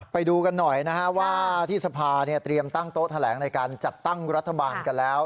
ไปดูกันหน่อยนะฮะว่าที่สภาเตรียมตั้งโต๊ะแถลงในการจัดตั้งรัฐบาลกันแล้ว